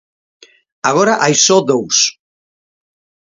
Agora hai só dous.